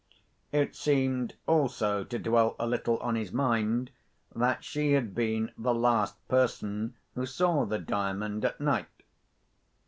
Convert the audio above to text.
It seemed also to dwell a little on his mind, that she had been the last person who saw the Diamond at night.